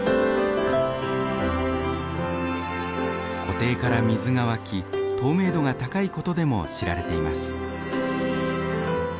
湖底から水が湧き透明度が高いことでも知られています。